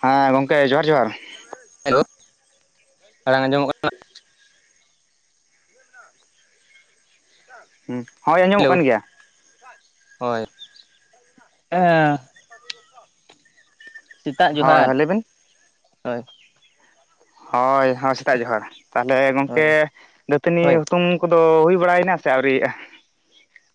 ᱦᱟᱸ ᱜᱚᱝᱠᱮ ᱡᱚᱦᱟᱨ ᱡᱚᱦᱟᱨ, ᱦᱮᱞᱳ ᱟᱲᱟᱝ ᱟᱸᱡᱚᱢᱚᱜ ᱠᱟᱱᱟ? ᱦᱩᱸ ᱦᱳᱭ ᱟᱸᱡᱚᱢᱚᱜ ᱦᱮᱞᱳ ᱠᱟᱱ ᱜᱮᱭᱟ ᱦᱳᱭ [unintelligible] ᱥᱤᱛᱟᱜ ᱦᱳᱭ ᱡᱚᱦᱟᱨ᱾ ᱦᱳᱭ ᱞᱟᱹᱭ ᱵᱤᱱ ᱦᱳᱭ ᱦᱳᱭ ᱦᱚᱸ ᱥᱤᱛᱟᱜ ᱡᱚᱦᱟᱨ ᱛᱟᱦᱚᱞᱮ ᱦᱳᱭ ᱜᱚᱝᱠᱮ ᱫᱟᱹᱛᱟᱹᱱᱤ ᱦᱳᱭ ᱦᱩᱛᱩᱢ ᱠᱚᱫᱚ ᱦᱩᱭ ᱵᱟᱲᱟᱭᱮᱱᱟ ᱥᱮ ᱟᱣᱨᱤᱜᱼᱟ?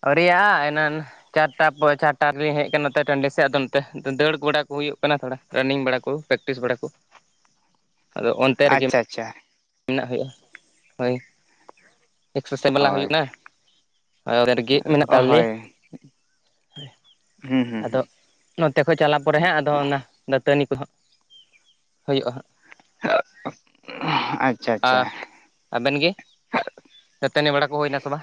ᱟᱣᱨᱤᱜᱼᱟ ᱮᱱᱟᱱ, ᱪᱟᱨᱴᱟ ᱯᱚᱭ ᱪᱟᱨᱴᱟ ᱨᱤᱞᱤᱧ ᱦᱮᱡ ᱠᱟᱱᱟ ᱱᱚᱛᱮ ᱴᱟᱺᱰᱤ ᱥᱮᱜ ᱟᱫᱚ ᱱᱚᱛᱮ ᱟᱫᱚ ᱫᱟᱹᱲ ᱵᱟᱲᱟ ᱠᱚ ᱦᱩᱭᱩᱜ ᱠᱟᱱᱟ ᱛᱷᱚᱲᱟ ᱨᱟᱱᱤᱝ ᱵᱟᱲᱟ ᱠᱚ, ᱯᱮᱠᱴᱤᱥ ᱵᱟᱲᱟᱠᱚ, ᱟᱪᱪᱷᱟ ᱟᱪᱪᱷᱟ ᱾ ᱢᱮᱱᱟᱜ ᱦᱩᱭᱩᱜᱼᱟ ᱾ ᱦᱳᱭ ᱮᱠᱥᱮᱥᱮ ᱵᱟᱞᱟ ᱦᱳᱭ ᱦᱩᱭᱩᱜ ᱱᱟ, ᱟᱣᱨᱤ ᱜᱮᱜ ᱢᱮᱱᱟᱜ ᱛᱟᱞᱮ ᱦᱳᱭ ᱦᱩᱸ ᱦᱩᱸ ᱟᱫᱚ, ᱦᱩᱸ ᱱᱚᱛᱮ ᱠᱷᱚᱡ ᱪᱟᱞᱟᱜ ᱯᱚᱨᱮ ᱦᱟᱸᱜ ᱟᱫᱚ ᱱᱟᱜ ᱫᱟᱹᱛᱟᱹᱱᱤ ᱠᱚᱦᱚ ᱦᱩᱭᱩᱜᱼᱟ ᱦᱟᱸᱜ, [unintelligible] ᱟᱹ ᱟᱵᱮᱱ ᱜᱮ ᱫᱟᱹᱛᱟᱹᱱᱤ ᱵᱟᱲᱟ ᱠᱚ ᱦᱩᱭᱱᱟ ᱥᱮ ᱵᱟ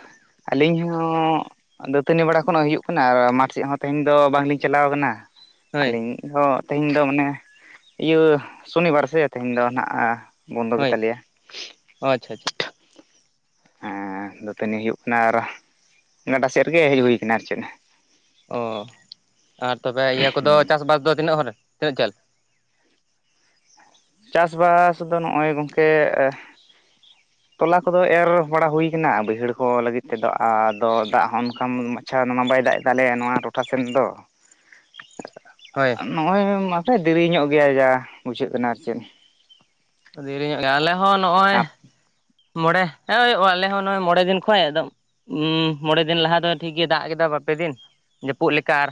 ᱟᱹᱞᱤᱧ ᱦᱚᱸ ᱫᱟᱹᱛᱟᱹᱱᱤ ᱵᱟᱲᱟ ᱮᱠᱷᱚᱱ ᱦᱚᱸ ᱦᱩᱭᱩᱜ ᱠᱟᱱᱟ ᱟᱨ ᱢᱟᱴᱷ ᱥᱮᱜ ᱦᱚᱸ ᱛᱮᱦᱮᱧ ᱫᱚ ᱵᱟᱝᱞᱤᱧ ᱪᱟᱞᱟᱣ ᱠᱟᱱᱟ ᱦᱳᱭ ᱟᱹᱞᱤᱧ ᱦᱚᱸ ᱛᱮᱦᱮᱧ ᱫᱚ ᱢᱟᱱᱮ ᱤᱭᱟᱹ ᱥᱚᱱᱤᱵᱟᱨ ᱥᱮ ᱛᱮᱦᱮᱱ ᱫᱚ ᱱᱟᱜ ᱵᱚᱱᱫᱚ ᱦᱳᱭ ᱜᱮᱛᱟᱞᱮᱭᱟ ᱟᱪᱪᱷᱟ ᱟᱪᱪᱷᱟ ᱦᱮᱸ ᱫᱟᱹᱛᱟᱹᱱᱤ ᱦᱩᱭᱩᱜ ᱠᱟᱱᱟ ᱟᱨᱚ ᱜᱟᱰᱟ ᱥᱮᱜ ᱨᱮᱜᱮ ᱦᱮᱡ ᱦᱩᱭ ᱠᱟᱱᱟ ᱟᱨ ᱪᱮᱫ ᱚ ᱟᱨ ᱛᱚᱵᱮ ᱤᱭᱟᱹ ᱠᱚᱫᱚ ᱦᱩᱸ ᱪᱟᱥᱵᱟᱥ ᱫᱚ ᱛᱤᱱᱟᱹᱜ ᱦᱚᱨ ᱨᱮ ᱛᱤᱱᱟᱹᱜ ᱡᱷᱟᱹᱞ ᱪᱟᱥᱵᱟᱥ ᱫᱚ ᱱᱚᱜᱼᱚᱭ ᱜᱚᱝᱠᱮ ᱛᱚᱞᱟ ᱠᱚᱫᱚ ᱮᱨ ᱵᱟᱲᱟ ᱦᱩᱭ ᱠᱟᱱᱟ ᱵᱟᱹᱭᱦᱟᱹᱲ ᱠᱚ ᱞᱟᱹᱜᱤᱫ ᱛᱮᱫᱚ ᱟᱫᱚ ᱫᱟᱜ ᱦᱚᱸ ᱚᱱᱠᱟ ᱢᱚ [unintelligible] ᱫᱚ ᱢᱟ ᱵᱟᱭ ᱫᱟᱜ ᱮᱫ ᱛᱟᱞᱮᱭᱟ ᱱᱚᱣᱟ ᱴᱚᱴᱷᱟ ᱥᱮᱱ ᱫᱚ ᱦᱳᱭ ᱱᱚᱜᱼᱚᱭ ᱢᱟᱥᱮ ᱫᱮᱨᱤ ᱧᱚᱜ ᱜᱮᱭᱟ ᱡᱟ ᱵᱩᱡᱷᱟᱹᱜ ᱠᱟᱱᱟ ᱟᱨ ᱪᱮᱜ ᱫᱮᱨᱤ ᱧᱚᱜ ᱜᱮ, ᱟᱞᱮ ᱦᱚᱸ ᱱᱚᱜᱼᱚᱭ ᱢᱚᱬᱮ ᱦᱩᱭᱩᱜᱼᱟ ᱟᱞᱮ ᱦᱚᱸ ᱱᱚᱜᱚᱭ ᱢᱚᱬᱮ ᱫᱤᱱ ᱠᱷᱚᱡ ᱮᱠᱫᱚᱢ ᱢᱚᱬᱮ ᱫᱤᱱ ᱞᱟᱦᱟ ᱫᱚ ᱴᱷᱤᱠᱜᱮ ᱫᱟᱜ ᱠᱮᱫᱟ ᱵᱟᱨᱯᱮ ᱫᱤᱱ ᱡᱟᱹᱯᱩᱜ ᱞᱮᱠᱟ ᱟᱨ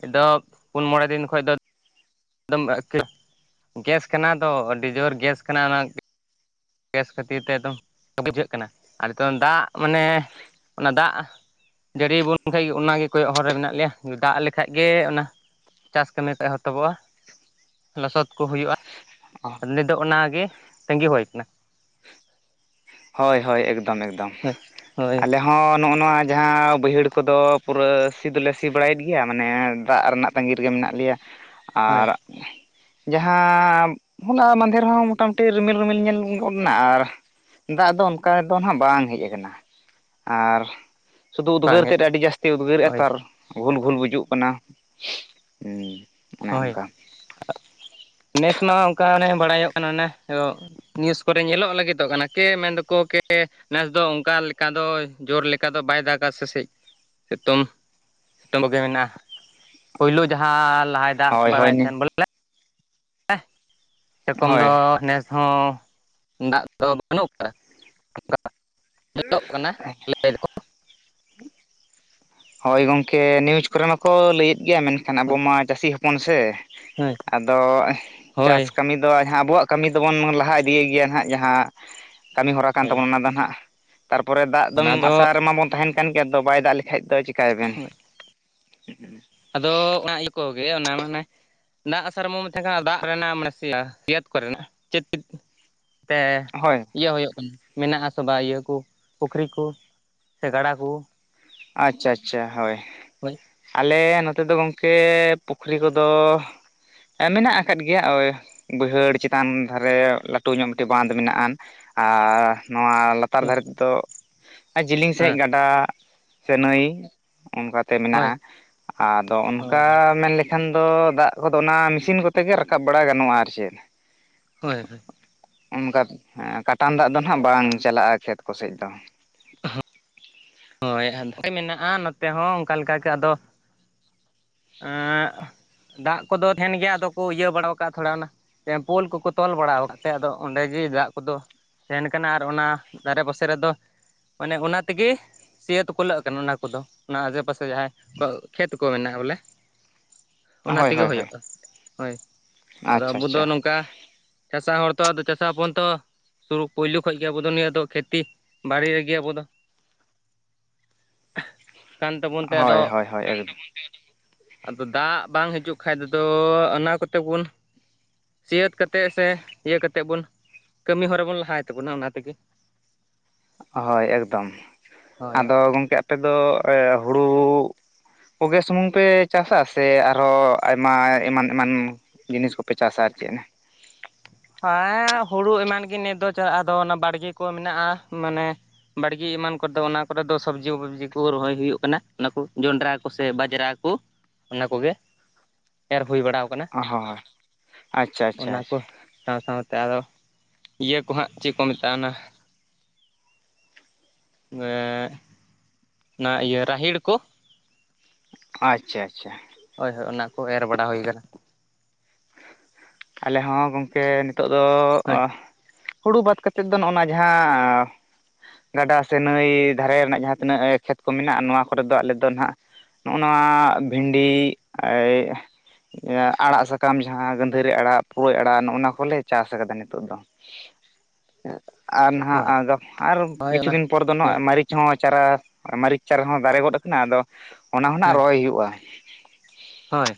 ᱱᱤᱛᱚᱜ ᱯᱩᱱ ᱢᱚᱬᱮ ᱫᱤᱱ ᱠᱷᱚᱡ ᱫᱚ ᱮᱠᱫᱚᱢ [unintelligible] ᱜᱮᱥ ᱠᱟᱱᱟ ᱫᱚ ᱟᱹᱰᱤ ᱡᱳᱨ ᱜᱮᱥ ᱠᱟᱱᱟ ᱚᱱᱟ ᱜᱮ ᱜᱮᱥ ᱠᱷᱟᱹᱛᱤᱨ ᱛᱮ ᱮᱠᱫᱚᱢ [unintelligible] ᱵᱩᱡᱷᱟᱹᱜ ᱠᱟᱱᱟ ᱟᱨ ᱱᱤᱛᱚᱝ ᱫᱟᱜ ᱢᱟᱱᱮ ᱚᱱᱟ ᱫᱟᱜ ᱡᱟᱹᱲᱤ ᱵᱚᱱ ᱠᱷᱟᱡ ᱜᱮ ᱚᱱᱟᱜᱮ ᱠᱚᱭᱚᱜ ᱦᱚᱨ ᱨᱮ ᱢᱮᱱᱟᱜ ᱞᱮᱭᱟ ᱫᱟᱜ ᱞᱮᱠᱷᱟᱡ ᱜᱮ ᱚᱱᱟ ᱪᱟᱥ ᱠᱟᱹᱢᱤ ᱠᱚ ᱮᱦᱚᱛᱚᱵᱚᱜᱼᱟ ᱞᱚᱥᱚᱫ ᱠᱚ ᱦᱩᱭᱩᱜᱼᱟ ᱚ ᱱᱤᱛ ᱫᱚ ᱚᱱᱟᱜᱮ ᱛᱟᱹᱝᱜᱤ ᱦᱳᱭ ᱠᱟᱱᱟ ᱦᱳᱭ ᱦᱳᱭ ᱮᱠᱫᱚᱢ ᱮᱠᱫᱚᱢ ᱦᱳᱭ, ᱦᱳᱭ ᱟᱞᱮ ᱦᱚᱸ ᱱᱚᱜᱼᱚ ᱱᱚᱣᱟ ᱡᱟᱦᱟᱸ ᱵᱟᱹᱭᱦᱟᱹᱲ ᱠᱚᱫᱚ ᱯᱩᱨᱟᱹ ᱥᱤ ᱫᱚᱞᱮ ᱥᱤ ᱵᱟᱲᱟᱭᱮᱫ ᱜᱮᱭᱟ ᱢᱟᱱᱮ ᱫᱟᱜ ᱨᱮᱱᱟᱜ ᱛᱟᱺᱜᱤ ᱨᱮᱜᱮ ᱢᱮᱱᱟᱜ ᱞᱮᱭᱟ ᱦᱳᱭ ᱟᱨ ᱡᱟᱦᱟᱸ ᱦᱚᱞᱟ ᱢᱟᱫᱷᱮᱨ ᱦᱚᱸ ᱢᱚᱴᱟᱢᱩᱴᱤ ᱨᱤᱢᱤᱞ ᱨᱤᱢᱤᱞ ᱧᱮᱞ ᱜᱚᱫᱱᱟ ᱟᱨ ᱫᱟᱜ ᱫᱚ ᱚᱱᱠᱟ ᱫᱚ ᱱᱟᱦᱟᱜ ᱵᱟᱝ ᱦᱮᱡ ᱟᱠᱟᱱᱟ ᱟᱨ ᱥᱩᱫᱷᱩ ᱵᱟᱝ ᱩᱫᱽᱜᱟᱹᱨ ᱦᱮᱡ ᱛᱮᱫ ᱟᱹᱰᱤ ᱡᱟᱹᱥᱛᱤ ᱩᱫᱽᱜᱟᱹᱨ ᱮᱫᱟ ᱦᱳᱭ ᱛᱚ ᱟᱨ ᱜᱷᱩᱞ ᱜᱷᱩᱞ ᱵᱩᱡᱩᱜ ᱠᱟᱱᱟ ᱦᱮᱸ ᱚᱱᱮ ᱦᱳᱭ ᱚᱱᱠᱟ ᱱᱮᱥ ᱢᱟ ᱚᱱᱠᱟ ᱚᱱᱮ ᱵᱟᱲᱟᱭᱚᱜ ᱠᱟᱱᱟ ᱚᱱᱮ ᱱᱤᱭᱩᱥ ᱠᱚᱨᱮ ᱧᱮᱞᱚᱜ ᱞᱟᱹᱜᱤᱛᱚᱜ ᱠᱟᱱᱟ ᱠᱮ ᱢᱮᱱ ᱫᱚᱠᱚ ᱠᱮ ᱱᱮᱥ ᱫᱚ ᱚᱱᱠᱟ ᱞᱮᱠᱟ ᱫᱚ ᱡᱳᱨ ᱞᱮᱠᱟ ᱫᱚ ᱵᱟᱭ ᱫᱟᱜᱟ ᱥᱮ ᱪᱮᱫ ᱥᱮᱛᱚᱝ ᱥᱤᱛᱩᱝᱠᱚᱜᱮ ᱢᱮᱱᱟᱜᱼᱟ᱾ ᱯᱳᱭᱞᱳ ᱡᱟᱦᱟᱸ ᱞᱟᱦᱟᱭ ᱫᱟᱜ ᱦᱳᱭ ᱦᱳᱭ ᱵᱟᱲᱟᱭᱮᱫ ᱛᱟᱦᱮᱱ ᱵᱚᱞᱮ [unintelligible] ᱥᱮᱨᱚᱠᱚᱢ ᱦᱳᱭ ᱫᱚ ᱱᱮᱥ ᱦᱚᱸ ᱫᱟᱜ ᱫᱚ ᱵᱟᱹᱱᱩᱜ ᱟᱠᱟᱫᱟ ᱚᱱᱠᱟ‌ ᱧᱮᱞᱚᱜ ᱠᱟᱱᱟ ᱞᱟᱹᱭᱫᱟᱠᱚ ᱦᱳᱭ ᱜᱚᱝᱠᱮ ᱱᱤᱭᱩᱡᱽ ᱠᱚᱨᱮ ᱢᱟᱠᱚ ᱞᱟᱹᱭᱮᱫ ᱜᱮᱭᱟ ᱢᱮᱱ ᱠᱷᱟᱱ ᱟᱵᱚ ᱢᱟ ᱪᱟᱹᱥᱤ ᱦᱚᱯᱚᱱ ᱥᱮ ᱦᱳᱭ ᱟᱫᱚ ᱦᱳᱭ ᱪᱟᱥ ᱠᱟᱹᱢᱤ ᱫᱚ ᱡᱟᱦᱟᱸ ᱟᱵᱚᱣᱟᱜ ᱠᱟᱹᱢᱤ ᱫᱚᱵᱚᱱ ᱞᱟᱦᱟ ᱤᱫᱤᱭ ᱜᱮᱭᱟ ᱱᱟᱦᱟᱜ ᱡᱟᱦᱟᱸ ᱠᱟᱹᱢᱤ ᱦᱚᱨᱟ ᱠᱟᱱ ᱛᱟᱵᱚᱱᱟ ᱚᱱᱟ ᱫᱚ ᱦᱟᱱᱟᱜ᱾ ᱛᱟᱨᱯᱚᱨᱮ ᱫᱟᱜ ᱫᱚᱢ ᱚᱱᱟ ᱫᱚ ᱟᱥᱟ ᱨᱮᱢᱟᱵᱚᱱ ᱛᱟᱦᱮᱱ ᱠᱟᱱ ᱜᱮᱭᱟ ᱛᱚ ᱵᱟᱭ ᱫᱟᱜ ᱞᱮᱠᱟᱱᱡ ᱫᱚ ᱪᱤᱠᱟᱹ ᱪᱤᱠᱟ. ᱭᱟ ᱵᱮᱱ ᱟᱫᱚ ᱚᱱᱟ ᱤᱭᱟᱹ ᱠᱚᱜᱮ ᱚᱱᱟ ᱢᱟᱱᱮ ᱫᱟᱜ ᱥᱮᱨᱢᱟ ᱛᱟᱦᱮᱸ ᱠᱟᱱᱟ ᱫᱟᱜ ᱨᱮᱱᱟᱜ ᱢᱟᱱᱮ ᱥᱤᱭᱟᱹᱛ ᱠᱚ ᱨᱮᱱᱟᱜ ᱪᱮᱫ ᱛᱮ ᱦᱳᱭ ᱤᱭᱟᱹ ᱦᱩᱭᱩᱜ ᱠᱟᱱᱟ ᱢᱮᱱᱟᱜ ᱟᱥᱮ ᱵᱟᱝ ᱤᱭᱟᱹ ᱠᱚ ᱯᱩᱠᱷᱨᱤ ᱠᱚ ᱥᱮ ᱜᱟᱰᱟ ᱠᱚ ᱟᱪᱪᱷᱟ ᱟᱪᱪᱷᱟ ᱟᱪᱪᱷᱟ ᱦᱳᱭ ᱦᱳᱭ ᱟᱞᱮ ᱱᱚᱛᱮ ᱫᱚ ᱜᱚᱝᱠᱮ ᱯᱩᱠᱷᱨᱤ ᱠᱚᱫᱚ ᱢᱮᱱᱟᱜ ᱟᱠᱟᱫ ᱜᱮᱭᱟ ᱳᱭ ᱵᱟᱹᱭᱦᱟᱹᱲ ᱪᱮᱛᱟᱱ ᱫᱷᱟᱨᱮ ᱞᱟᱹᱴᱩ ᱧᱚᱜ ᱢᱤᱫᱴᱟᱝ ᱵᱟᱸᱱᱫᱷ ᱢᱮᱱᱟᱜᱼᱟ ᱟᱨ ᱱᱚᱣᱟ ᱞᱟᱛᱟᱨ ᱦᱮᱸ ᱫᱷᱟᱨᱮ ᱛᱮᱫᱚ ᱡᱤᱞᱤᱧ ᱥᱟᱹᱦᱤᱡ ᱦᱮᱸ ᱜᱟᱰᱟ ᱥᱮᱸ ᱱᱟᱹᱭ ᱚᱱᱠᱟᱛᱮ ᱦᱳᱭ ᱢᱮᱱᱟᱜᱼᱟ ᱟᱫᱚ ᱚᱱᱠᱟ ᱢᱮᱱᱞᱠᱷᱟᱱ ᱮᱱᱠᱷᱟᱱ ᱫᱚ ᱫᱟᱜ ᱠᱚᱫᱚ ᱚᱱᱟ ᱢᱮᱥᱤᱱ ᱠᱚᱛᱮ ᱜᱮ ᱨᱟᱠᱟᱵ ᱵᱟᱲᱟ ᱜᱟᱱᱚᱜᱼᱟ ᱟᱨ ᱪᱮᱫ᱾ ᱦᱳᱭ ᱦᱳᱭ ᱚᱱᱠᱟ ᱦᱮᱸ ᱠᱟᱴᱟᱝ ᱫᱟᱜ ᱫᱚ ᱱᱟᱜ ᱵᱟᱝ ᱪᱟᱞᱟᱜᱼᱟ ᱠᱷᱮᱛ ᱠᱚ ᱥᱮᱡ ᱫᱚ ᱦᱳᱭ ᱟᱫᱷᱟ ᱢᱮᱱᱟᱜᱼᱟ ᱱᱚᱛᱮ ᱦᱚᱸ ᱚᱱᱠᱟ ᱞᱮᱠᱟ ᱜᱮ ᱟᱫᱚ ᱮᱸ ᱫᱟᱜ ᱠᱚᱫᱚ ᱛᱟᱦᱮᱱ ᱜᱮᱭᱟ ᱟᱫᱚ ᱠᱚ ᱤᱭᱟᱹ ᱵᱟᱲᱟᱟᱣ ᱠᱟᱜᱼᱟ ᱛᱷᱚᱲᱟ ᱚᱱᱟ ᱯᱳᱞ ᱠᱚᱠᱚ ᱛᱚᱞ ᱵᱟᱲᱟ ᱟᱠᱟᱫ ᱠᱟᱛᱮ ᱟᱫᱚ ᱚᱸᱰᱮ ᱜᱮ ᱫᱟᱜ ᱠᱚᱫᱚ᱾ ᱡᱮᱱ ᱠᱟᱱᱟ ᱟᱨ ᱚᱱᱟ ᱫᱷᱟᱨᱮ ᱯᱟᱥᱮ ᱨᱮᱫᱚ ᱢᱟᱱᱮ ᱚᱱᱟ ᱛᱮᱜᱮ ᱥᱤᱭᱟ ᱛᱩᱠᱞᱟᱹᱜ ᱠᱟᱱᱟ ᱚᱱᱟ ᱠᱚᱫᱚ ᱚᱱᱟ ᱟᱥᱮ ᱯᱟᱥᱮ ᱡᱟᱦᱟᱸᱭ ᱠᱷᱮᱛ ᱠᱚ ᱢᱮᱱᱟᱜᱼᱟ ᱵᱚᱞᱮ ᱚᱱᱟ ᱦᱳᱭ ᱛᱮᱜᱮ ᱦᱳᱭ ᱦᱳᱭ ᱦᱩᱭᱩᱜᱼᱟ ᱦᱳᱭ ᱟᱫᱚ ᱟᱪᱪᱷᱟ ᱟᱵᱚ ᱫᱚ ᱟᱪᱪᱷᱟ ᱱᱚᱝᱠᱟ ᱪᱟᱥᱟ ᱦᱚᱲ ᱛᱚ ᱟᱫᱚ ᱪᱟᱥᱟ ᱦᱚᱯᱚᱱ ᱛᱚ ᱥᱩᱨ ᱯᱩᱭᱞᱩ ᱠᱷᱚᱡ ᱜᱮ ᱟᱵᱚ ᱱᱤᱭᱟᱹ ᱫᱚ ᱠᱷᱮᱛᱤ ᱵᱟᱲᱤ ᱨᱮᱜᱮ ᱟᱵᱚ ᱫᱚ ᱠᱟᱱ ᱛᱟᱵᱚᱱ ᱛᱮ ᱦᱳᱭ ᱟᱫᱚ ᱦᱳᱭ ᱦᱳᱭ ᱮᱠᱫᱚᱢ ᱟᱫᱚ ᱫᱟᱜ ᱵᱟᱝ ᱦᱤᱡᱩᱜ ᱠᱷᱟᱱ ᱛᱮᱫᱚ ᱚᱱᱟ ᱠᱚᱛᱮ ᱵᱚᱱ ᱥᱤᱭᱟᱹᱛ ᱥᱮ ᱤᱭᱟᱹᱛᱮᱫ ᱵᱚᱱ ᱠᱟᱹᱢᱤ ᱦᱚᱨᱟ ᱵᱚᱱ ᱞᱟᱦᱟᱭ ᱛᱟᱵᱚᱱᱟ ᱚᱱᱟ ᱛᱮᱜᱮ ᱦᱳᱭ ᱮᱠᱫᱚᱢ ᱦᱳᱭ ᱟᱫᱚ ᱜᱚᱝᱠᱮ ᱟᱯᱮᱫ ᱫᱚ ᱦᱩᱲᱩ ᱯᱚᱜᱮ ᱥᱩᱢᱩᱝ ᱯᱮ ᱪᱟᱥᱟ ᱥᱮ ᱟᱨᱦᱚᱸ ᱟᱭᱢᱟ ᱮᱢᱟᱱ ᱮᱢᱟᱱ? ᱡᱤᱱᱤᱥ ᱠᱚᱯᱮ ᱪᱟᱥᱟ ᱟᱨ ᱪᱮᱫ ᱦᱮᱸ ᱦᱩᱲᱩ ᱮᱢᱟᱱ ᱜᱮ ᱱᱤᱛ ᱫᱚ ᱪᱟᱞᱟᱜ ᱟᱫᱚ ᱚᱱᱟ ᱵᱟᱲᱜᱮ ᱠᱚ ᱢᱮᱱᱟᱜᱼᱟ ᱢᱟᱱᱮ ᱵᱟᱲᱜᱮ ᱮᱢᱟᱱ ᱠᱚᱨᱮ ᱫᱚ ᱚᱱᱟ ᱠᱚᱨᱮ ᱫᱚ ᱥᱚᱵᱡᱤ ᱯᱚᱵᱡᱤ ᱠᱚ ᱨᱚᱦᱚᱭ ᱦᱩᱭᱩᱜ ᱠᱟᱱᱟ ᱚᱱᱟ ᱠᱚ ᱡᱚᱱᱰᱨᱟ ᱠᱚᱥᱮ ᱵᱟᱡᱽᱨᱟ ᱠᱚ ᱚᱱᱟ ᱠᱚᱜᱮ ᱮᱨ ᱦᱩᱭ ᱵᱟᱲᱟᱣ ᱠᱟᱱᱟ ᱚ ᱦᱚᱸ ᱟᱪᱪᱷᱟ ᱟᱪᱪᱷᱟ ᱚᱱᱟ ᱠᱚ ᱟᱪᱪᱷᱟ ᱥᱟᱶ ᱥᱟᱶᱛᱮ ᱟᱨᱫᱚ ᱤᱭᱟᱹ ᱠᱚ ᱦᱟᱸᱜ ᱪᱮᱫ ᱠᱚ ᱢᱮᱛᱟᱜᱼᱟ ᱚᱱᱟ ᱢᱮ ᱚᱱᱟ ᱤᱭᱟᱹ ᱨᱟᱦᱤᱲ ᱠᱚ, ᱟᱪᱪᱷᱟ ᱟᱪᱪᱷᱟ᱾ ᱦᱳᱭ ᱦᱳᱭ, ᱚᱱᱟ ᱠᱚ ᱮᱨ ᱵᱟᱰᱟ ᱦᱳᱭ ᱠᱟᱱᱟ᱾ ᱟᱞᱮ ᱦᱚᱸ ᱜᱚᱝᱠᱮ ᱱᱤᱛᱚᱜ ᱫᱚ ᱦᱳᱭ ᱟᱸᱦ, ᱦᱩᱲᱩ ᱵᱟᱫ ᱠᱟᱛᱮᱫ ᱫᱚ ᱱᱚᱜ ᱱᱚᱣᱟ ᱡᱟᱦᱟᱸ ᱜᱟᱰᱟ ᱥᱮ ᱱᱟᱹᱭ ᱫᱷᱟᱨᱮ ᱨᱮᱱᱟᱜ ᱡᱟᱦᱟᱸ ᱛᱤᱱᱟᱹᱜ ᱠᱷᱮᱛ ᱠᱚ ᱢᱮᱱᱟᱜᱼᱟ, ᱱᱚᱣᱟ ᱠᱚᱨᱮ ᱫᱚ ᱟᱞᱮ ᱫᱚ ᱱᱟᱦᱟᱜ ᱱᱚᱜ ᱱᱚᱣᱟ ᱵᱷᱤᱱᱰᱤ ᱮᱭᱷ, ᱟᱲᱟᱜ ᱥᱟᱠᱟᱢ ᱡᱟᱦᱟᱸ ᱜᱟᱸ ᱫᱷᱟᱹᱨᱤ ᱟᱲᱟᱜ ᱯᱩᱨᱟᱹ ᱟᱲᱟᱜ ᱱᱚᱜᱼᱚ ᱱᱚᱣᱟ ᱠᱚᱞᱮ ᱪᱟᱥ ᱟᱠᱟᱫᱟ ᱱᱤᱛᱳᱜ ᱫᱚ᱾ ᱟᱨ ᱱᱟᱦᱟᱜ ᱦᱳᱭ ᱟᱫᱚ ᱟᱨ ᱦᱳᱭ ᱠᱤᱪᱷᱩ ᱚᱱᱟ ᱫᱤᱱ ᱯᱚᱨ ᱫᱚ ᱱᱟ ᱦᱳᱭ ᱢᱟᱹᱨᱤᱪ ᱦᱚᱸ ᱪᱟᱨᱟ ᱢᱟᱹᱨᱤᱪ ᱪᱟᱨᱟ ᱦᱚᱸ ᱫᱟᱨᱮ ᱜᱚᱫ ᱟᱠᱟᱱᱟ ᱟᱫᱚ ᱚᱱᱟ ᱦᱚᱸᱱᱟᱜ ᱦᱮᱸ ᱨᱚᱦᱚᱭ ᱦᱩᱭᱩᱜᱼᱟ, ᱦᱳᱭ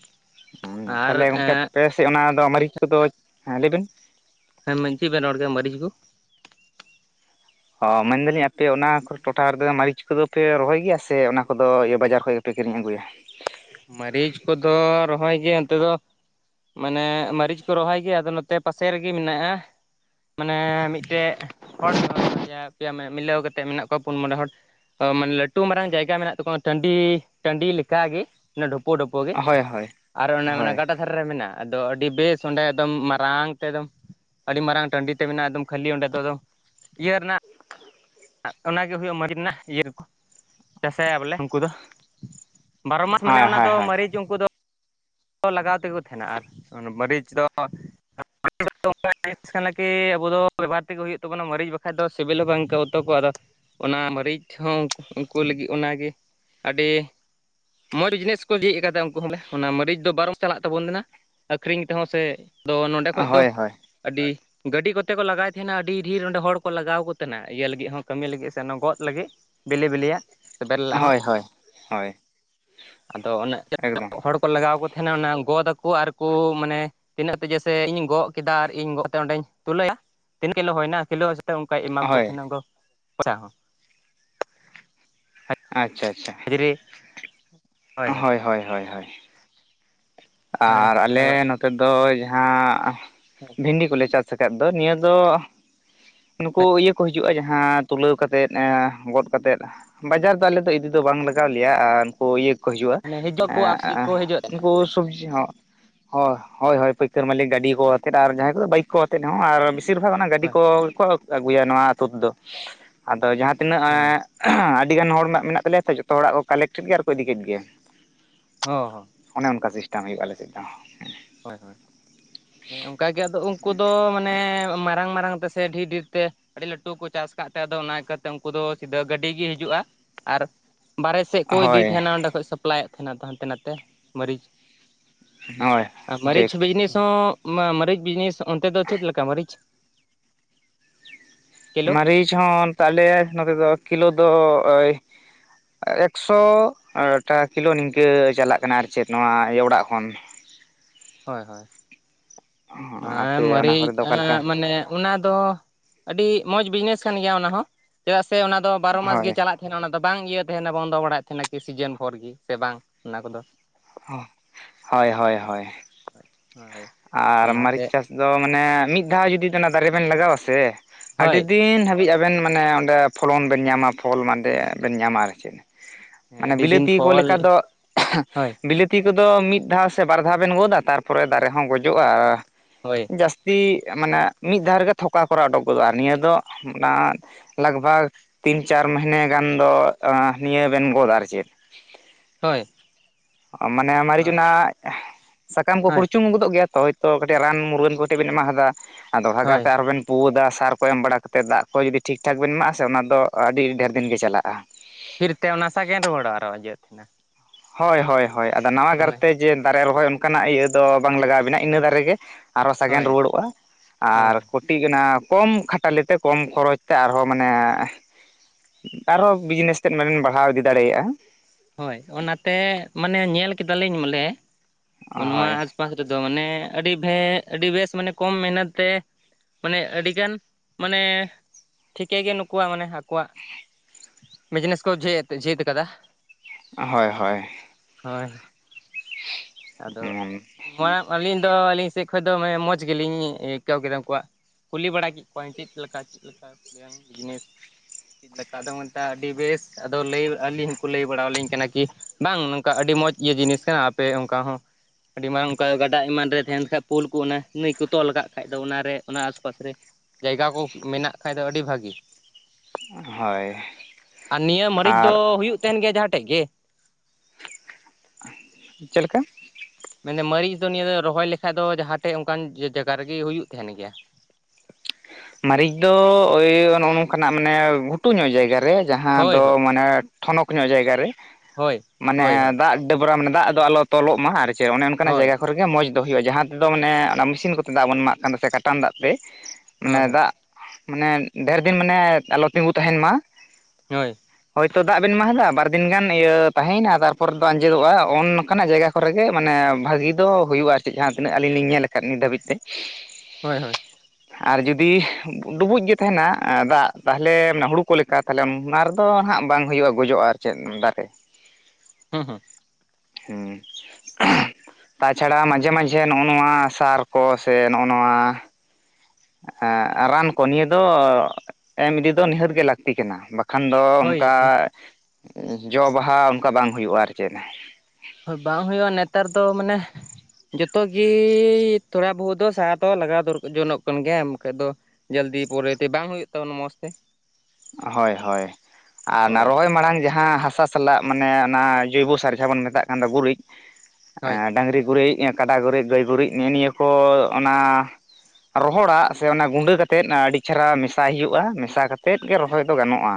ᱩ ᱟᱨ ᱛᱷᱟᱞᱮ ᱜᱚᱝᱠᱮ ᱟᱯᱮ ᱪᱮᱫ ᱚᱱᱟ ᱫᱚ ᱢᱟᱹᱨᱤᱪ ᱠᱚᱫᱚ, ᱦᱮᱸ ᱞᱟᱹᱭ ᱵᱤᱱ᱾ ᱦᱮᱸ [unintelligible] ᱪᱮᱫ ᱵᱮᱱ ᱨᱚᱲ ᱠᱮᱫᱟ ᱢᱟᱹᱨᱤᱪ ᱠᱩ? ᱚ ᱢᱮᱱᱫᱟᱞᱤᱧ ᱟᱯᱮ ᱚᱱᱟ ᱠᱚ ᱴᱚᱴᱷᱟ ᱨᱮᱫᱚ ᱢᱟᱹᱨᱤᱪ ᱠᱚᱫᱚ ᱯᱮ ᱨᱚᱦᱚᱭ ᱜᱮᱭᱟ ᱥᱮ ᱚᱱᱟ ᱠᱚᱫᱚ ᱤᱭᱟᱹ ᱵᱟᱡᱟᱨ ᱠᱷᱚᱡ ᱯᱮ ᱠᱤᱨᱤᱧ ᱟᱹᱜᱩᱭᱟ? ᱢᱟᱹᱨᱤᱪ ᱠᱚᱫᱚ ᱨᱚᱦᱚᱭ ᱜᱮ ᱱᱚᱱᱛᱮ ᱫᱚ, ᱢᱟᱱᱮ ᱢᱟᱹᱨᱤᱪ ᱠᱚ ᱨᱚᱦᱚᱭ ᱜᱮᱭᱟ ᱟᱫᱚ ᱱᱚᱛᱮ ᱯᱟᱥᱮ ᱨᱮᱜᱮ ᱢᱮᱱᱟᱜᱼᱟ᱾ ᱢᱟᱱᱮ ᱢᱤᱫᱴᱮᱡ, ᱦᱚᱲ ᱯᱮᱭᱟ ᱯᱮᱭᱟ ᱢᱤᱞᱟᱹᱣ ᱠᱟᱛᱮᱜ ᱢᱮᱱᱟᱜ ᱠᱚᱣᱟ ᱯᱩᱱ, ᱢᱚᱬᱮ ᱦᱚᱲ᱾ ᱚ ᱢᱟᱱᱮ ᱞᱟᱹᱴᱩ ᱢᱟᱨᱟᱝ ᱡᱟᱭᱜᱟ ᱢᱮᱱᱟᱜ ᱛᱟᱠᱚᱣᱟ ᱴᱟᱺᱰᱤ, ᱴᱟᱺᱰᱤ ᱞᱮᱠᱟᱜᱮ ᱚᱱᱟ ᱰᱷᱚ ᱦᱳᱭ ᱦᱳᱭ [unintelligible] ᱟᱨ ᱚᱱᱟ ᱦᱳᱭ ᱚᱱᱟ ᱜᱟᱰᱟ ᱫᱷᱟᱨᱮ ᱨᱮ ᱢᱮᱱᱟᱜᱼᱟ ᱟᱫᱚ ᱟᱹᱰᱤ ᱵᱮᱥ ᱚᱸᱰᱮ ᱮᱠᱫᱚᱢ ᱢᱟᱨᱟᱝ ᱛᱮ ᱫᱚᱢ ᱟᱹᱰᱤ ᱢᱟᱨᱟᱝ ᱴᱟᱺᱰᱤ ᱛᱮ ᱢᱮᱱᱟᱜᱼᱟ ᱮᱠᱫᱚᱢ ᱠᱷᱟᱹᱞᱤ ᱚᱸᱰᱮ ᱫᱚ ᱟᱫᱚ, ᱤᱭᱟᱹ ᱨᱮᱱᱟᱜ ᱚᱱᱟᱜᱮ ᱦᱩᱭᱩᱜᱼᱟ ᱢᱟᱨᱤᱪ ᱨᱮᱱᱟᱜ, ᱤᱭᱟᱹ ᱜᱮᱠᱚ, ᱪᱟᱥᱟᱭᱟ ᱵᱚᱞᱮ ᱩᱱᱠᱩ ᱫᱚ, ᱵᱟ ᱢᱟᱱᱮ ᱦᱳᱭ ᱚᱱᱟ ᱦᱳᱭ ᱫᱚ ᱦᱳᱭ ᱢᱟᱹᱨᱤᱪ ᱩᱱᱠᱩ ᱫᱚ ᱠᱚ ᱞᱟᱜᱟᱣ ᱛᱮᱠᱚ ᱛᱟᱦᱮᱸᱱᱟ ᱟᱨ ᱚᱱᱟ ᱢᱟᱹᱨᱤᱪ ᱫᱚ [inaudible] ᱚᱝᱠᱟᱱᱟᱜ ᱡᱤᱱᱤᱥ ᱠᱟᱱᱟ ᱠᱤ ᱟᱵᱚ ᱫᱚ ᱵᱮᱵᱟᱨ ᱛᱮᱜᱮ ᱦᱩᱭᱩᱜ ᱛᱟᱵᱚᱱᱟ ᱢᱟᱹᱨᱤᱪ ᱵᱟᱠᱷᱟᱡ ᱫᱚ ᱥᱤᱵᱤᱞ ᱵᱟᱝ ᱠᱚ ᱳᱛᱳ ᱠᱚ, ᱟᱫᱚ ᱚᱱᱟ ᱢᱟᱹᱨᱤᱪ ᱦᱚᱸ ᱩᱱᱠᱩ ᱞᱟᱹᱜᱤᱫ ᱚᱱᱟᱜᱮ, ᱟᱹᱰᱤ ᱢᱚᱡᱽ ᱡᱤᱱᱤᱥ ᱠᱩ ᱡᱷᱤᱡ ᱟᱠᱟᱫᱟ ᱩᱱᱠᱩ ᱦᱚ ᱵᱚᱞᱮ ᱚᱱᱟ ᱢᱟᱹᱨᱤᱪ᱾ ᱫᱚ ᱵᱟᱨᱚᱢ ᱢᱟᱥ ᱪᱟᱞᱟᱜ ᱛᱟᱵᱚᱱᱟ ᱟᱠᱷᱨᱤᱧ ᱛᱮᱦᱚᱸ ᱥᱮ, ᱫᱚ ᱱᱚᱰᱮ ᱠᱷᱚᱡ ᱫᱚ, ᱦᱳᱭ ᱦᱳᱭ ᱟᱹᱰᱤ ᱜᱟᱹᱰᱤ ᱠᱚᱛᱮ ᱠᱚ ᱞᱟᱜᱟᱭ ᱛᱟᱦᱮᱸᱱᱟ ᱟᱹᱰᱤ ᱰᱷᱤᱨ ᱚᱸᱰᱮ ᱦᱚᱲ ᱠᱚ ᱞᱟᱜᱟᱣ ᱠᱚ ᱛᱟᱦᱮᱸᱱᱟ, ᱤᱭᱟᱹ ᱞᱟᱹᱜᱤᱫ ᱦᱚᱸ ᱠᱟᱹᱢᱤ ᱞᱟᱹᱜᱤᱫ ᱥᱮ ᱚᱱᱮ ᱜᱚᱫ ᱞᱟᱹᱜᱤᱫ᱾ ᱵᱮᱞᱮ ᱵᱮᱞᱮᱭᱟᱜ ᱥᱮ ᱵᱮᱨᱮᱞᱟᱜ ᱦᱚᱸ, ᱦᱳᱭ ᱦᱳᱭ ᱦᱳᱭ ᱟᱫᱚ ᱩᱱᱟᱹᱜ ᱮᱠᱫᱚᱢ᱾ ᱠᱚ ᱞᱟᱜᱟᱣ ᱠᱚ ᱛᱟᱦᱮᱱᱟ ᱚᱱᱟ ᱜᱚᱫᱟᱠᱩ ᱟᱨ ᱠᱩ ᱢᱟᱱᱮᱼᱼ ᱛᱤᱱᱟᱹᱜ [unintelligible] ᱥᱮ ᱤᱧᱤᱧ ᱜᱚᱜ ᱠᱮᱫᱟ ᱟᱨ ᱤᱧ ᱜᱚᱜ ᱟᱛᱮ ᱚᱸᱰᱮᱧ ᱛᱩᱞᱟᱹᱭᱟ, ᱛᱤᱱᱟᱹᱜ ᱠᱤᱞᱳ ᱦᱩᱭᱱᱟ ᱠᱤᱞᱳ ᱦᱤ ᱛᱮ ᱚᱱᱠᱟᱭ ᱮᱢᱟ ᱠᱚ ᱦᱳᱭ ᱛᱟᱦᱮᱸᱱᱟ ᱜᱚ, ᱯᱚᱭᱥᱟ ᱦᱚᱸ᱾ ᱟᱪᱪᱷᱟ ᱟᱪᱪᱷᱟ᱾ ᱫᱷᱤᱨᱤ ᱦᱚᱭ ᱦᱚᱭ ᱦᱚᱭ ᱦᱚᱭ। ᱦᱳᱭ ᱟᱨ ᱟᱞᱮ ᱟᱫᱚ ᱱᱚᱛᱮ ᱫᱚ ᱡᱟᱦᱟᱸ ᱦᱮᱸ᱾ ᱵᱷᱤᱱᱰᱤ ᱠᱚᱞᱮ ᱪᱟᱥ ᱟᱠᱟᱫ ᱫᱚ ᱱᱤᱭᱟᱹ ᱫᱚ ᱱᱩᱠᱩ ᱤᱭᱟᱹ ᱠᱚ ᱦᱤᱡᱩᱜᱼᱟ ᱡᱟᱦᱟᱸ ᱛᱩᱞᱟᱹᱣ ᱠᱟᱛᱮᱫ ᱮᱸ ᱜᱚᱫ ᱠᱟᱛᱮᱫ ᱵᱟᱡᱟᱨ ᱫᱚ ᱟᱞᱮᱫᱚ ᱫᱚ ᱤᱫᱤ ᱫᱚ ᱵᱟᱝ ᱞᱟᱜᱟᱣ ᱞᱮᱭᱟ ᱟᱨ ᱩᱱᱠᱩ ᱤᱭᱟᱹ ᱠᱚ ᱦᱤᱡᱩᱜᱼᱟ ᱢᱟᱱᱮ ᱦᱤᱡᱩᱜ ᱟᱠᱚ ᱟᱠᱚ ᱮᱸ ᱜᱮᱠᱚ ᱦᱤᱡᱩᱜ ᱛᱟᱦᱮᱱᱟ ᱩᱱᱠᱩ। ᱤᱧ ᱦᱚᱸ, ᱦᱚ ᱦᱚᱭ ᱦᱚᱭ ᱯᱟᱹᱭᱠᱟᱹᱨ ᱢᱟᱹᱞᱤᱠ ᱜᱟᱹᱰᱤ ᱠᱚ ᱟᱛᱮᱫ ᱟᱨ ᱡᱟᱦᱟᱸᱭ ᱠᱚᱫᱚ ᱵᱟᱭᱤᱠ ᱠᱚ ᱟᱛᱮᱫ ᱦᱚᱸ ᱟᱨ ᱵᱤ ᱥᱤᱨ ᱵᱷᱟᱜᱽ ᱚᱱᱟ ᱜᱟᱹᱰᱤ ᱦᱳᱭ ᱠᱚ ᱜᱮᱠᱚ ᱟᱹᱜᱩᱭᱟ ᱱᱚᱣᱟ ᱟᱹᱛᱳ ᱨᱮᱫᱚ ᱟᱫᱚ ᱡᱟᱦᱟᱸ ᱛᱤᱱᱟᱹᱜ ᱦᱳᱭ ᱮᱸᱼᱼ ᱟᱹᱰᱤ ᱜᱟᱱ ᱦᱚᱲ ᱱᱟᱜ ᱢᱮᱱᱟᱜ ᱛᱟᱞᱮᱭᱟ ᱛᱚ ᱡᱚᱛᱚ ᱦᱚᱲᱟᱜ ᱠᱚ ᱠᱟᱞᱮᱠᱴ ᱠᱮᱫ ᱜᱮ ᱟᱨᱦᱚᱸ ᱠᱚ ᱤᱫᱤ ᱠᱮᱫ ᱜᱮ᱾ ᱚ ᱦᱚᱸ ᱚᱱᱮ ᱚᱱᱠᱟ ᱥᱤᱥᱴᱮᱢ ᱦᱩᱭᱩᱜ-ᱟ ᱟᱞᱮ ᱥᱮᱫ ᱫᱚ᱾ ᱦᱳᱭ ᱦᱳᱭ᱾ ᱦᱮᱸ ᱚᱱᱠᱟᱜᱮ ᱟᱫᱚ ᱩᱱᱠᱩ ᱫᱚ ᱢᱟᱱᱮ ᱢᱟᱨᱟᱝ ᱢᱟᱨᱟᱝ ᱛᱮᱥᱮ ᱰᱷᱤᱨ ᱰᱷᱤᱨ ᱛᱮᱼᱼ ᱟᱹᱰᱤ ᱞᱟᱹᱴᱩ ᱠᱚ ᱪᱟᱥ ᱟᱠᱟᱫ ᱛᱟᱦᱮᱸ ᱚᱱᱟ ᱠᱟᱛᱮ ᱩᱱᱠᱩ ᱫᱚ ᱥᱤᱫᱷᱟᱹ ᱜᱟᱹᱰᱤ ᱜᱮ ᱦᱤᱡᱩᱜᱼᱟ ᱟᱨᱼᱼ ᱵᱟᱦᱨᱮ ᱥᱮᱫ ᱠᱚ ᱤᱫᱤᱭ ᱦᱳᱭ ᱛᱟᱦᱮᱸᱱᱟ ᱚᱸᱰᱮ ᱠᱷᱚᱡ ᱥᱟᱯᱞᱟᱭᱮᱫ ᱛᱟᱦᱮᱸᱱᱟ ᱦᱟᱱᱛᱮ ᱱᱟᱛᱮ ᱢᱟᱹᱨᱤᱪ ᱦᱳᱭ᱾ ᱟᱨ ᱢᱟᱹᱨᱤᱪ ᱴᱷᱤᱠ ᱵᱤᱡᱽᱱᱮᱥ ᱦᱚᱸ ᱢᱟᱹᱨᱤᱪ ᱵᱤᱡᱽᱱᱮᱥ ᱚᱱᱛᱮ ᱫᱚ ᱪᱮᱫ ᱞᱮᱠᱟ ᱢᱟᱹᱨᱤᱪ? ᱠᱤᱞᱳ? ᱢᱟᱹᱨᱤᱪ ᱦᱚᱸ ᱛᱟᱦᱞᱮ ᱱᱚᱛᱮ ᱫᱚ ᱠᱤᱞᱳ ᱫᱚ ᱳᱭ ᱮᱠᱥᱚ ᱴᱟᱠᱟ ᱠᱤᱞᱳ ᱱᱤᱝᱠᱟᱹ ᱪᱟᱞᱟᱜ ᱠᱟᱱᱟ ᱟᱨ ᱪᱮᱫ ᱱᱚᱣᱟ ᱤᱭᱟᱹ ᱚᱲᱟᱜ ᱠᱷᱚᱱ ᱦᱳᱭ ᱦᱳᱭ ᱦᱮ ᱟᱯᱮ ᱚᱱᱟ ᱢᱟᱹᱨᱤᱪ ᱠᱚᱨᱮ ᱫᱚ ᱚᱠᱟᱞᱮᱠᱟ ᱢᱟᱱᱮ ᱚᱱᱟ ᱫᱚ ᱟᱹᱰᱤ ᱢᱚᱡᱽ ᱵᱤᱡᱽᱱᱮᱥ ᱠᱟᱱ ᱜᱮᱭᱟ ᱚᱱᱟ ᱦᱚᱸ ᱪᱮᱫᱟᱜ ᱥᱮ ᱚᱱᱟ ᱫᱚ ᱵᱟᱨᱚ ᱢᱟᱥ ᱜᱮ ᱦᱳᱭ ᱪᱟᱞᱟᱜ ᱠᱟᱱᱟ ᱛᱟᱦᱮᱸᱱᱟ ᱚᱱᱟ ᱫᱚ ᱵᱟᱝ ᱤᱭᱟᱹ ᱛᱟᱦᱮᱸᱱᱟ ᱵᱚᱱᱫᱚ ᱵᱟᱲᱟᱭᱮᱫ ᱛᱟᱦᱮᱸᱱᱟ ᱠᱤ ᱥᱤᱡᱤᱱ ᱵᱷᱳᱨ ᱜᱮ ᱥᱮ ᱵᱟᱝ ᱚᱱᱟ ᱠᱚᱫᱚ ᱚᱸ ᱦᱳᱭ ᱦᱳᱭ ᱦᱳᱭ᱾ ᱦᱚᱭ ᱦᱚᱸ ᱦᱚᱭ᱾ ᱟᱨ ᱢᱟᱹᱨᱤᱪ ᱪᱟᱥ ᱫᱚ ᱢᱟᱱᱮ ᱢᱤᱫ ᱫᱷᱟᱣ ᱡᱩᱫᱤ ᱚᱱᱟ ᱫᱟᱨᱮ ᱵᱮᱱ ᱞᱟᱜᱟᱣᱟ ᱥᱮᱻ, ᱟᱹᱰᱤ ᱦᱳᱭ ᱫᱤᱱ ᱦᱟᱹᱵᱤᱡ ᱟᱵᱮᱱ ᱢᱟᱱᱮ ᱚᱸᱰᱮ ᱯᱷᱚᱞᱚᱱ ᱵᱮᱱ ᱧᱟᱢᱟ ᱯᱷᱚᱞ ᱮᱢᱟᱱ ᱛᱮᱭᱟᱜ ᱵᱮᱱ ᱧᱟᱢᱟ ᱟᱨᱦᱚᱸ ᱪᱮᱫ, ᱦᱮᱸ ᱢᱟᱱᱮ ᱟᱹᱰᱤ ᱫᱤᱱ ᱵᱤᱞᱟᱹᱛᱤ ᱠᱚ ᱯᱷᱚᱞ ᱞᱮᱠᱟ ᱫᱚ, ᱦᱳᱭ ᱵᱤᱞᱟᱹ ᱠᱮ ᱠᱚᱫᱚ ᱢᱤᱫ ᱫᱷᱟᱣ ᱥᱮ ᱵᱟᱨ ᱫᱷᱟᱣ ᱵᱮᱱ ᱜᱚᱫᱟ ᱛᱟᱨᱯᱚᱨᱮ ᱫᱟᱨᱮ ᱦᱚᱸ ᱜᱚᱡᱚᱜᱼᱟ᱾ ᱦᱳᱭ᱾ ᱡᱟᱹᱥᱛᱤ ᱢᱟᱱᱮ ᱢᱤᱫ ᱫᱷᱟᱣ ᱨᱮᱜᱮ ᱛᱷᱚᱠᱟ ᱠᱚᱨᱟᱣ ᱚᱰᱩᱠ ᱜᱚᱫᱚᱜᱼᱟ᱾ ᱱᱤᱭᱟᱹ ᱫᱚ ᱚᱱᱟ ᱞᱟᱜᱽ ᱵᱷᱟᱜᱽ ᱛᱤᱱ ᱪᱟᱨ ᱢᱟᱹᱦᱱᱟᱹ ᱜᱟᱱ ᱫᱚ ᱱᱤᱭᱟᱹ ᱵᱮᱱ ᱜᱚᱫᱟ ᱟᱨ ᱪᱮᱫᱼᱼ ᱦᱳᱭ ᱢᱟᱱᱮ ᱢᱟᱹᱨᱤᱪᱱᱟᱜ ᱥᱟᱠᱟᱢ ᱠᱚ ᱦᱳᱭ ᱠᱩᱲᱪᱼᱼ ᱜᱚᱫᱚᱜ ᱜᱮᱭᱟ ᱦᱚᱭᱛᱚᱠᱟᱹᱴᱤᱡ ᱨᱟᱱ ᱢᱩᱨᱜᱟᱹᱱ ᱠᱚ ᱠᱟᱹᱴᱤᱡ ᱵᱮᱱ ᱮᱢᱟᱫᱟ ᱟᱫᱚ ᱵᱷᱟᱜᱟᱨ ᱦᱳᱭ ᱛᱮ ᱟᱨᱦᱚ ᱵᱤᱱᱼᱼ ᱯᱳ ᱫᱟᱜ ᱥᱟᱨ ᱠᱚ ᱮᱢ ᱵᱟᱲᱟ ᱠᱟᱛᱮᱫ ᱫᱟᱜ ᱠᱚ ᱡᱩᱫᱤ ᱴᱷᱤᱠ ᱴᱷᱟᱠ ᱵᱮᱱ ᱮᱢᱟᱜᱼᱟ ᱥᱮ ᱚᱱᱟᱫᱚ ᱟᱹᱰᱤ ᱰᱷᱮᱨ ᱫᱤᱱ ᱜᱮ ᱪᱟᱞᱟᱜᱼᱟ᱾ ᱯᱷᱤᱨ ᱛᱮ ᱚᱱᱟ ᱥᱟᱜᱮᱱ ᱨᱩᱣᱟᱹᱲᱚᱜ-ᱟ ᱟᱨᱚ ᱡᱚᱜ ᱛᱟᱦᱮᱱᱟ᱾ ᱦᱳᱭ ᱦᱳᱭ ᱦᱳᱭ ᱟᱫᱚ ᱱᱟᱣᱟ ᱦᱳᱭ ᱠᱟᱨᱛᱮ ᱡᱮ ᱫᱟᱨᱮ ᱨᱚᱦᱚᱭ ᱚᱱᱠᱟᱱᱟᱜ ᱤᱭᱟᱹ ᱫᱚ ᱵᱟᱝ ᱞᱟᱜᱟᱣ ᱟᱵᱤᱱᱟ ᱤᱱᱟᱹ ᱫᱟᱨᱮ ᱜᱮ ᱟᱨᱚ ᱥᱟᱜᱮᱱ ᱦᱳᱭ ᱨᱩᱣᱟᱹᱲᱚᱜᱼᱟ ᱟᱨ ᱦᱳᱭ [unintelligible] ᱠᱟᱱᱟ ᱠᱚᱢ ᱠᱷᱟᱴᱟᱞᱮ ᱛᱮ ᱠᱚᱢ ᱠᱷᱚᱨᱚᱪ ᱛᱮ ᱟᱨᱦᱚᱸ ᱢᱟᱱᱮ ᱟᱨᱦᱚᱸ ᱵᱤᱡᱽᱱᱮᱥ ᱛᱮᱫ ᱢᱟᱱᱮᱢ ᱵᱟᱲᱦᱟᱣ ᱤᱫᱤ ᱫᱟᱲᱮᱭᱟᱜᱼᱟ ᱦᱳᱭ ᱚᱱᱟᱛᱮ ᱢᱟᱱᱮ ᱧᱮᱞ ᱠᱮᱫᱟᱞᱤᱧ ᱵᱚᱞᱮ ᱱᱚᱣᱟ ᱦᱳᱭ ᱟᱥᱯᱟᱥ ᱨᱮᱫᱚ ᱢᱟᱱᱮ ᱟᱹᱰᱤ ᱵᱮᱥ ᱟᱹᱰᱤ ᱵᱮᱥ ᱢᱟᱱᱮ ᱠᱚᱢ ᱢᱮᱦᱱᱚᱛ ᱛᱮ ᱢᱟᱱᱮ ᱟᱹᱰᱤᱜᱟᱱ ᱢᱟᱱᱮ ᱴᱷᱤᱠᱟᱹ ᱜᱮ ᱱᱩᱠᱩᱣᱟᱜ ᱢᱟᱱᱮ ᱟᱠᱚᱣᱟᱜ ᱵᱤᱡᱽᱱᱮᱥ ᱠᱚ ᱡᱷᱣᱮᱫ ᱡᱷᱮᱫ ᱟᱠᱟᱫᱟ ᱦᱳᱭ ᱦᱳᱭ ᱦᱳᱭ ᱟᱫᱚ ᱢᱟᱲᱟᱝ ᱟᱹᱞᱤᱧ ᱫᱚ ᱟᱹᱞᱤᱧ ᱥᱮᱫ ᱠᱷᱚᱡ ᱫᱚ ᱢᱟᱱᱮ ᱢᱚᱡᱽ ᱜᱮᱞᱤᱧ ᱟᱹᱭᱠᱟᱹᱣ ᱠᱮᱫᱟ ᱩᱱᱠᱩᱣᱟᱜ ᱠᱩᱞᱤ ᱵᱟᱲᱟ ᱠᱮᱫ ᱠᱚᱣᱟᱹᱧ ᱪᱮᱫ ᱞᱮᱠᱟ ᱪᱮᱫ ᱞᱮᱠᱟ ᱵᱤᱡᱽᱱᱮᱥ ᱪᱮᱫ ᱞᱮᱠᱟ ᱫᱚ ᱢᱮᱛᱟᱜᱼᱟ ᱟᱹᱰᱤ ᱵᱮᱥ ᱟᱫᱚ ᱞᱟᱹᱭ ᱟᱹᱞᱤᱧ ᱠᱚ ᱞᱟᱹᱭ ᱵᱟᱲᱟ ᱟᱹᱞᱤᱧ ᱠᱟᱱᱟ ᱠᱤ ᱵᱟᱝ ᱱᱚᱝᱠᱟ ᱟᱹᱰᱤ ᱢᱚᱸᱡᱽ ᱤᱭᱟᱹ ᱡᱤᱱᱤᱥ ᱠᱟᱱᱟ ᱟᱯᱮ ᱚᱱᱠᱟ ᱦᱚᱸ ᱟᱹᱰᱤ ᱢᱟᱨᱟᱝ ᱚᱱᱠᱟ ᱜᱟᱰᱟ ᱮᱢᱟᱱ ᱨᱮ ᱛᱟᱦᱮᱸᱱ ᱠᱷᱟᱡ ᱯᱩᱞ ᱠᱚ ᱚᱱᱟ ᱱᱟᱹᱭ ᱠᱚ ᱛᱚᱞ ᱠᱟᱫ ᱠᱷᱟᱡ ᱫᱚ ᱚᱱᱟ ᱨᱮ ᱚᱱᱟ ᱟᱥᱯᱟᱥ ᱨᱮ ᱡᱟᱭᱜᱟ ᱠᱚ ᱢᱮᱱᱟᱜ ᱠᱷᱟᱡ ᱫᱚ ᱟᱹᱰᱤ ᱵᱷᱟᱹᱜᱤ ᱦᱳᱭ ᱟᱨ ᱱᱤᱭᱟᱹ ᱢᱟᱹᱨᱤᱪ ᱟᱨ ᱫᱚ ᱦᱩᱭᱩᱜ ᱛᱟᱦᱮᱸᱱ ᱜᱮᱭᱟ ᱡᱟᱦᱟᱸᱴᱷᱮᱡ ᱜᱮ ᱪᱮᱫ ᱞᱮᱠᱟ ᱢᱮᱱ ᱮᱫᱟ ᱢᱟᱹᱨᱤᱪ ᱫᱚ ᱱᱤᱭᱟᱹ ᱫᱚ ᱨᱚᱦᱚᱭ ᱞᱮᱠᱷᱟᱡ ᱫᱚ ᱡᱟᱦᱟᱸ ᱴᱷᱮᱡ ᱚᱱᱠᱟᱱ ᱡᱟᱭᱜᱟ ᱨᱮᱜᱮ ᱦᱩᱭᱩᱜ ᱛᱟᱦᱮᱸᱱ ᱜᱮᱭᱟ ᱢᱟᱹᱨᱤᱪ ᱫᱚ ᱳᱭ ᱱᱚᱜ ᱱᱚᱝᱠᱟᱱᱟᱜ ᱢᱟᱱᱮ ᱜᱷᱩᱴᱩ ᱧᱚᱜ ᱡᱟᱭᱜᱟ ᱨᱮ ᱡᱟᱦᱟᱸ ᱦᱳᱭ ᱫᱚ ᱦᱳᱭ ᱢᱟᱱᱮ ᱴᱷᱚᱱᱚᱠ ᱧᱚᱜ ᱡᱟᱭᱜᱟ ᱨᱮ ᱦᱳᱭ ᱢᱟᱱᱮ ᱦᱳᱭ ᱦᱳᱭ ᱫᱟᱜ ᱰᱟᱹᱵᱨᱟ ᱢᱟᱱᱮ ᱫᱟᱜ ᱫᱚ ᱟᱞᱚ ᱛᱚᱞᱚᱜ ᱢᱟ ᱟᱨ ᱪᱮᱫ ᱚᱱᱮ ᱚᱱᱠᱟᱱᱟᱜ ᱦᱳᱭ ᱡᱟᱭᱜᱟ ᱠᱚᱨᱮ ᱜᱮ ᱢᱚᱸᱡᱽ ᱫᱚ ᱦᱩᱭᱩᱜᱼᱟ ᱡᱟᱦᱟᱸ ᱛᱮᱫᱚ ᱢᱟᱱᱮ ᱚᱱᱟ ᱢᱮᱥᱤᱱ ᱠᱚᱛᱮ ᱫᱟᱜ ᱵᱚᱱ ᱢᱟᱜ ᱠᱟᱱ ᱥᱮ ᱠᱟᱴᱟᱱ ᱫᱟᱜ ᱛᱮ ᱦᱳᱭ ᱢᱟᱱᱮ ᱫᱟᱜ ᱢᱟᱱᱮ ᱰᱷᱮᱨ ᱫᱤᱱ ᱢᱟᱱᱮ ᱟᱞᱚ ᱛᱤᱸᱜᱩ ᱛᱟᱦᱮᱸᱱ ᱢᱟ ᱦᱳᱭ ᱦᱳᱭ ᱛᱚ ᱫᱟᱜ ᱵᱮᱱ ᱮᱢᱟ ᱦᱟᱫᱟ ᱵᱟᱨ ᱫᱤᱱ ᱜᱟᱱ ᱤᱭᱟᱹ ᱛᱟᱦᱮᱸᱭᱮᱱᱟ ᱛᱟᱨᱯᱚᱨ ᱫᱚ ᱟᱸᱡᱮᱫᱚᱜᱼᱟ ᱚᱱ ᱚᱱᱠᱟᱱᱟᱜ ᱡᱟᱭᱜᱟ ᱠᱚᱨᱮ ᱜᱮ ᱢᱟᱱᱮ ᱵᱷᱟᱹᱜᱤ ᱫᱚ ᱦᱩᱭᱩᱜᱼᱟ ᱟᱨ ᱪᱮᱫ ᱡᱟᱦᱟᱸ ᱛᱤᱱᱟᱹᱜ ᱟᱹᱞᱤᱧ ᱞᱤᱧ ᱧᱮᱞ ᱟᱠᱟᱫ ᱱᱤᱭᱟᱹ ᱫᱷᱟᱹᱵᱤᱡ ᱛᱮ ᱦᱳᱭ ᱦᱳᱭ ᱟᱨ ᱡᱩᱫᱤ ᱰᱩᱵᱩᱡ ᱜᱮ ᱛᱟᱦᱮᱱᱟ ᱫᱟᱜ ᱛᱟᱦᱚᱞᱮ ᱦᱩᱲᱩ ᱠᱚ ᱞᱮᱠᱟ ᱛᱟᱦᱚᱞᱮ ᱚᱱᱟᱼᱼ ᱫᱚ ᱱᱟᱜ ᱵᱟᱝ ᱦᱩᱭᱩᱜᱼᱟ ᱜᱚᱡᱚᱜᱼᱟ ᱟᱨ ᱪᱮᱫ ᱫᱟᱨᱮ ᱦᱩᱸ ᱦᱩᱸ ᱦᱮᱸ ᱟᱪᱪᱷᱟ ᱛᱟᱪᱷᱟᱲᱟ ᱢᱟᱡᱷᱮ ᱢᱟᱡᱷᱮ ᱱᱚᱜᱼᱚ ᱱᱚᱣᱟ ᱥᱟᱨ ᱠᱚᱥᱮ ᱱᱚ ᱚᱭ ᱱᱚᱣᱟ ᱮᱸ ᱨᱟᱱ ᱠᱚ ᱱᱤᱭᱟᱹ ᱫᱚ ᱮᱢ ᱤᱫᱤ ᱫᱚ ᱱᱤᱦᱟᱹᱛ ᱜᱮ ᱞᱟᱹᱠᱛᱤ ᱠᱟᱱᱟ ᱵᱟ- ᱠᱷᱟᱱ ᱫᱚ ᱦᱳᱭ ᱚᱱᱠᱟ ᱡᱚ ᱵᱟᱦᱟ ᱚᱱᱠᱟ ᱵᱟᱝ ᱦᱩᱭᱩᱜᱼᱟ ᱟᱨ ᱪᱮᱫ᱾ ᱦᱚ ᱵᱟᱝ ᱦᱩᱭᱩᱜᱼᱟ ᱱᱮᱛᱟᱨ ᱫᱚ ᱢᱟᱱᱮ ᱡᱚᱛᱚᱜᱤ ᱛᱷᱚᱲᱟ ᱵᱚᱦᱩ ᱫᱚ ᱥᱟᱦᱟ ᱫᱚ ᱞᱟᱜᱟᱣ ᱫᱚᱨᱠ ᱡᱚᱱᱚᱜ ᱠᱟᱱ ᱜᱮᱭᱟ ᱚᱱᱠᱟ ᱫᱚ᱾ ᱡᱚᱞᱫᱤ ᱯᱚᱨᱮᱛᱮ ᱵᱟᱝ ᱦᱩᱭᱩᱜ ᱛᱟᱵᱚᱱ ᱱᱟ ᱢᱚᱸᱡᱽ ᱛᱮ᱾ ᱦᱳᱭ ᱦᱳᱭ ᱟᱨ ᱚᱱᱟ ᱦᱳᱭ ᱨᱚᱦᱚᱭ ᱢᱟᱲᱟᱝ ᱡᱟᱦᱟᱸ ᱦᱟᱥᱟ ᱥᱟᱞᱟᱜ ᱢᱟᱱᱮ ᱚᱱᱟ ᱡᱳᱚᱭᱵᱚ ᱥᱟᱨ ᱡᱟᱦᱟ ᱵᱚᱱ ᱢᱮᱛᱟᱜ ᱠᱟᱱ ᱫᱚ ᱜᱩᱨᱤᱡᱽ ᱦᱳᱭ ᱰᱟᱝᱨᱤ ᱜᱩᱨᱤᱡ᱾ ᱠᱟᱰᱟ ᱜᱩᱨᱤᱡ ᱜᱟᱹᱭ ᱜᱩᱨᱤᱡ ᱮᱸᱱᱤᱭᱟᱹ ᱠᱚ ᱚᱱᱟ ᱨᱚᱦᱚᱲᱟᱜ ᱥᱮ ᱚᱱᱟ ᱜᱩᱸᱰᱟᱹ ᱠᱟᱛᱮᱫ ᱟᱹᱰᱤ ᱪᱮᱨᱦᱨᱟ ᱢᱮᱥᱟᱭ ᱦᱩᱭᱩᱜᱼᱟ, ᱢᱮᱥᱟ ᱠᱟᱛᱮᱜ᱾ ᱛᱮᱫ ᱜᱮ ᱨᱚᱦᱚᱭ ᱫᱚ ᱜᱟᱱᱚᱜᱼᱟ᱾